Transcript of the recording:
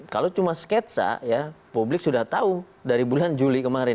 kalau cuma sketsa ya publik sudah tahu dari bulan juli kemarin